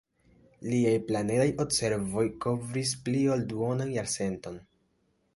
Liaj planedaj observoj kovris pli ol duonan jarcenton.